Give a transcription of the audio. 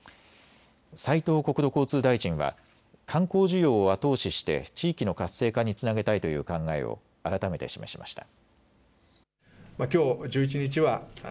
斉藤国土交通大臣は観光需要を後押しして地域の活性化につなげたいという考えを改めて示しました。